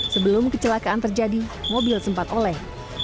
sebelum kecelakaan terjadi mobil sempat oleh